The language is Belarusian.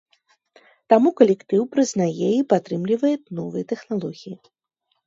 Таму калектыў прызнае і падтрымлівае новыя тэхналогіі.